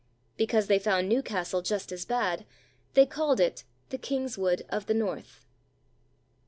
Because they found Newcastle just as bad, they called it "The Kingswood of the North."